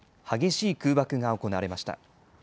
激しい空爆が行われました。